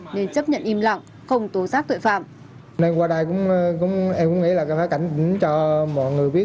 nên chấp nhận im lặng không tố giác tuệ